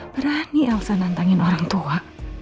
berani elsa nantangin orang tua